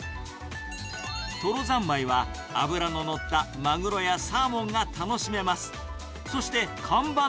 トロ三昧は、脂の乗ったマグロやサーモンが楽しめます。